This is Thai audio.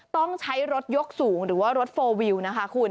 ต้องใช้รถยกสูงหรือว่ารถโฟลวิวนะคะคุณ